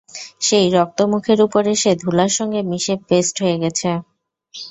সেই রক্ত মুখের ওপর এসে ধুলার সঙ্গে মিশে পেস্ট হয়ে গেছে।